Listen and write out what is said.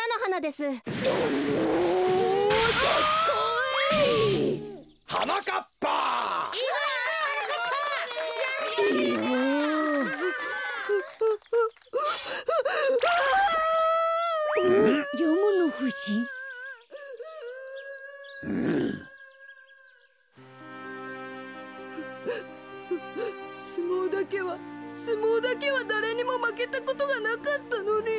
すもうだけはすもうだけはだれにもまけたことがなかったのに。